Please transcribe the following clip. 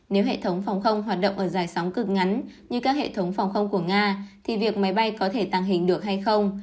nếu hệ thống phòng không hoạt động ở dài sóng cực ngắn như các hệ thống phòng không của nga thì việc máy bay có thể tàng hình được hay không